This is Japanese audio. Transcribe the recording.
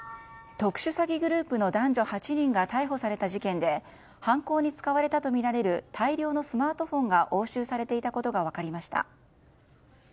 特殊詐欺グループの男女８人が逮捕された事件で犯行に使われたとみられる大量のスマートフォンが押収されていたことが分かりました。